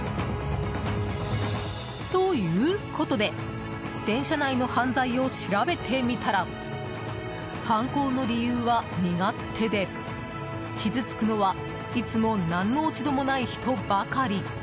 ということで電車内の犯罪を調べてみたら犯行の理由は身勝手で傷つくのは、いつも何の落ち度もない人ばかり。